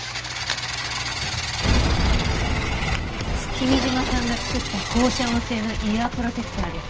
君嶋さんが作った高遮音性のイヤープロテクターです。